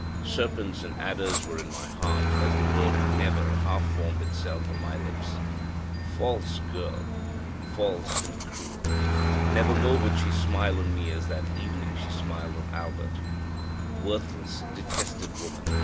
Serpents and adders were in my heart as the word "Never!" half formed itself on my lips. False girl! false and cruel! Never more would she smile on me as that evening she smiled on Albert. Worthless, detested woman!